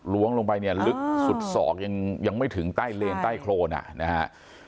้วงลงไปเนี่ยลึกสุดศอกยังไม่ถึงใต้เลนใต้โครนนะฮะ